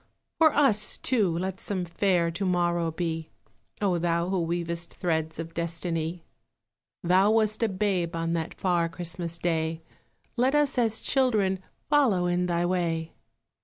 For us, too, let some fair To morrow be, O Thou who weavest threads Of Destiny! Thou wast a babe on that Far Christmas Day, Let us as children follow In Thy way.